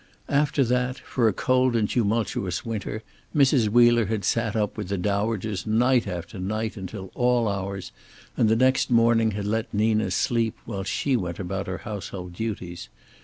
After that, for a cold and tumultuous winter Mrs. Wheeler had sat up with the dowagers night after night until all hours, and the next morning had let Nina sleep, while she went about her household duties.